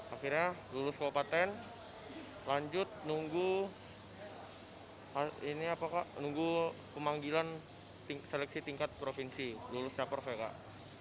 akhirnya lulus kabupaten lanjut nunggu ini apa kak nunggu pemanggilan seleksi tingkat provinsi lulus capers ya kak